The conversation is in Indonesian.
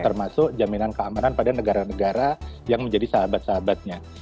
termasuk jaminan keamanan pada negara negara yang menjadi sahabat sahabatnya